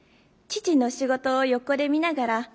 父の仕事を横で見ながら。